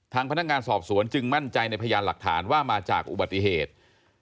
พนักงานสอบสวนจึงมั่นใจในพยานหลักฐานว่ามาจากอุบัติเหตุ